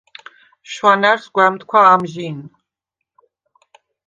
შუ̂ანა̈რს გუ̂ა̈მთქუ̂ა ამჟინ.